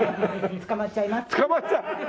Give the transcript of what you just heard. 捕まっちゃいます。